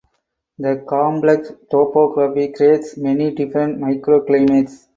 The complex topography creates many different microclimates.